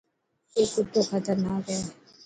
اي ڪتو خطرناڪ هي.